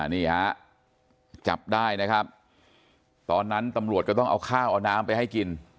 นี่ฮะจับได้นะครับตอนนั้นตำรวจก็ต้องเอาข้าวเอาน้ำไปให้กิน